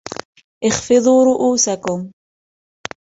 اخفضوا رؤوسكم!